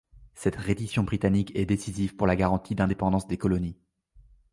Cette reddition britannique est décisive pour la garantie d'indépendance des colonies.